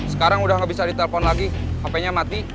sekarang udah gak bisa ditelepon lagi hp nya mati